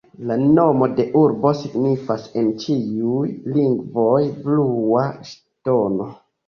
La nomo de urbo signifas en ĉiuj lingvoj Blua Ŝtono.